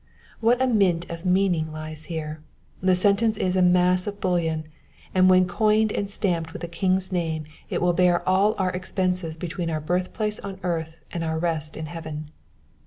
What a mint of meaning lies here : the sentence is a mass of bullion, and when coined and stamped with the king's name it wUl bear all our expenses between our birthplace on earth and our rest in heaven.